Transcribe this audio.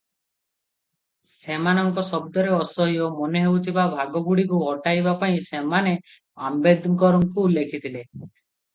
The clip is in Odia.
"ସେମାନଙ୍କ ଶବ୍ଦରେ "ଅସହ୍ୟ" ମନେହେଉଥିବା ଭାଗଗୁଡ଼ିକୁ ହଟାଇବା ପାଇଁ ସେମାନେ ଆମ୍ବେଦକରଙ୍କୁ ଲେଖିଥିଲେ ।"